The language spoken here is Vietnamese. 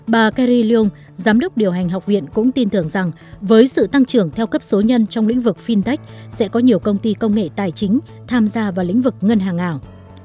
bà cariong giám đốc điều hành học viện cũng tin tưởng rằng với sự tăng trưởng theo cấp số nhân trong lĩnh vực fintech sẽ có nhiều công ty công nghệ tài chính tham gia vào lĩnh vực ngân hàng ảo